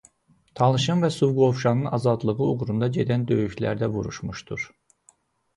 Talışın və Suqovuşanın azadlığı uğrunda gedən döyüşlərdə vuruşmuşdur.